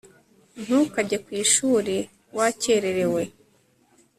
Ntukajye ku ishuri wakererewe